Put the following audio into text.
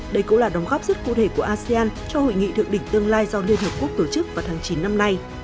đây cũng là đóng góp rất cụ thể của asean cho hội nghị thượng đỉnh tương lai do liên hợp quốc tổ chức vào tháng chín năm nay